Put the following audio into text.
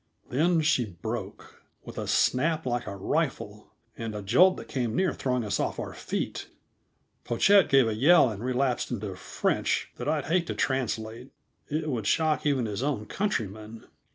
Then she broke, with a snap like a rifle, and a jolt that came near throwing us off our feet. Pochette gave a yell and relapsed into French that I'd hate to translate; it would shock even his own countrymen.